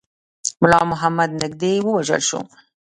مُلا محمد نیژدې ووژل شو.